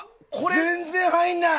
全然入らない！